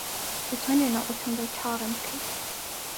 دەتوانیت لەناو ئۆتۆمۆبیل چاوەڕێم بکەیت؟